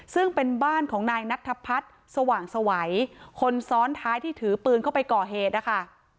ซึ่งเป็นบ้านของนายนัทพัฒน์สว่างสวัยคนซ้อนท้ายที่ถือปืนเข้าไปก่อเหตุนะคะ